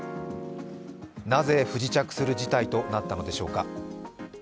なぜ不時着する事態となったのでしょうか。